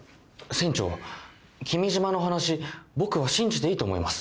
船長君島の話僕は信じていいと思います。